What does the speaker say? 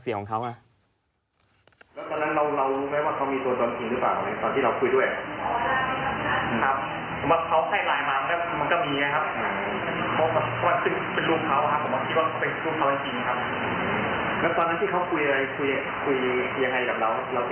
ตอนนั้นเขาอีกไทำให้ยืนหรอครับ